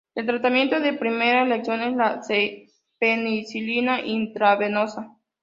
El tratamiento de primera elección es la penicilina intravenosa.